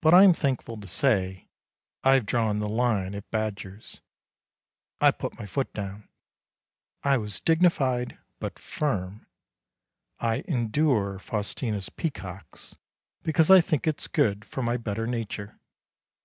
But I am thankful to say I have drawn the line at badgers. I put my foot down. I was dignified, but firm. I endure Faustina's peacocks, because I think it is good for my better nature.